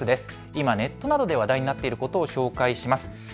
今、ネットなどで話題になっていることを紹介します。